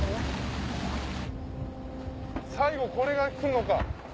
最後これが来んのか。